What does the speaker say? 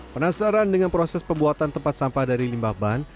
penasaran dengan proses pembuatan tempat sampah dari limbah ban